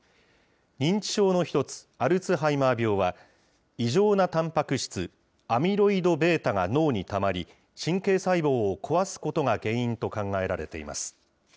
認知症の一つ、アルツハイマー病は、異常なたんぱく質、アミロイドβが脳にたまり、神経細胞を壊すことが原因と考えられています。